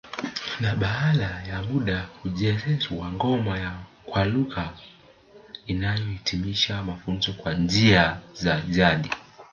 Na baada ya muda huchezewa ngoma ya kwaluka inayohitimisha mafunzo kwa njia za jadi